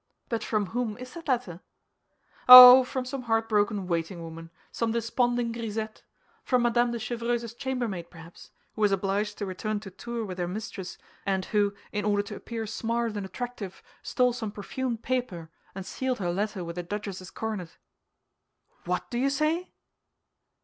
"But from whom is that letter?" "Oh, from some heartbroken waiting woman, some desponding grisette; from Madame de Chevreuse's chambermaid, perhaps, who was obliged to return to Tours with her mistress, and who, in order to appear smart and attractive, stole some perfumed paper, and sealed her letter with a duchess's coronet." "What do you say?"